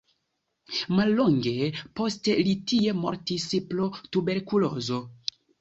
Mallonge poste li tie mortis pro tuberkulozo.